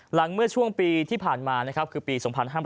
หลังเมื่อช่วงปีที่ผ่านมาคือปี๒๕๕๘